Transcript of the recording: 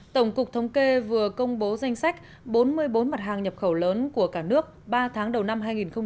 tổng cục thống kê vừa công bố danh sách bốn mươi bốn mặt hàng nhập khẩu lớn của cả nước ba tháng đầu năm hai nghìn hai mươi